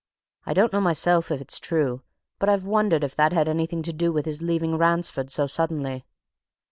I don't know myself, if it's true but I've wondered if that had anything to do with his leaving Ransford so suddenly."